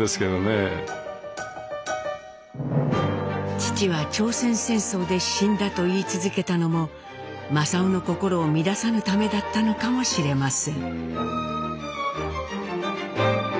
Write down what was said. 「父は朝鮮戦争で死んだ」と言い続けたのも正雄の心を乱さぬためだったのかもしれません。